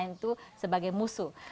yang itu sebagai musuh